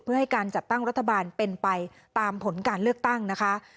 เพื่อให้การจัดตั้งรัฐบาลเป็นไปตามผลการเลือกตั้งนะคะ